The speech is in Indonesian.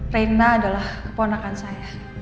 rena adalah keponakan saya